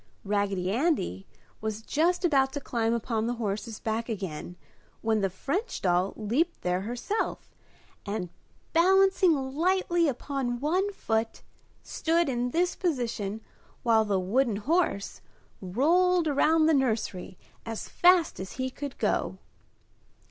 Raggedy Andy was just about to climb upon the horse's back again when the French doll leaped there herself and, balancing lightly upon one foot, stood in this position while the wooden horse rolled around the nursery as fast as he could go.